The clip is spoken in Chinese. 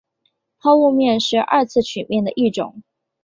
抛物面是二次曲面的一种。